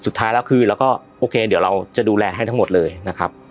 สุดท้ายแล้วคือเราก็โอเคเดี๋ยวเราจะดูแลให้ทั้งหมดเลยนะครับ